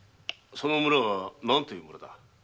その村は何という村だ？